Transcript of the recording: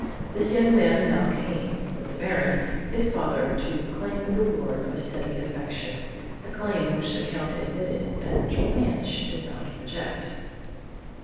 This young man now came, with the Baron, his father, to claim the reward of a steady affection, a claim, which the Count admitted and which Blanche did not reject.